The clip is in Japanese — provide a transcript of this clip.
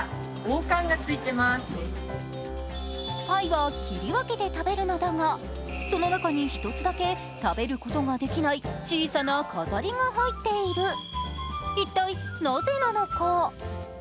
パイは切り分けて食べるのだが、その中に１つだけ食べることができない小さな飾りが入っている。